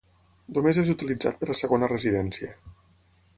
Només és utilitzat per a segona residència.